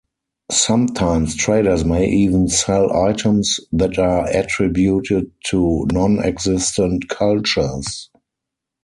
Sometimes traders may even sell items that are attributed to nonexistent cultures.